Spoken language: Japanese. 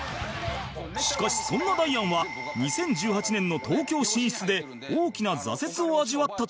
しかしそんなダイアンは２０１８年の東京進出で大きな挫折を味わったという